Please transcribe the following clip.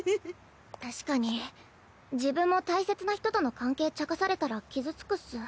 確かに自分も大切な人との関係ちゃかされたら傷つくっス。